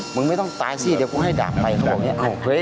มึงไม่ต้องตายสิเดี๋ยวกูให้ดาบไปเขาบอกอย่างนี้